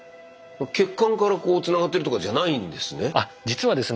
血管からつながってるとかじゃないんですね？